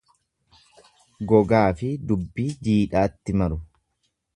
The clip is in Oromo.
Gogaafi dubbii jiidhaatti maru.